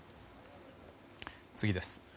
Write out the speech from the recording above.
次です。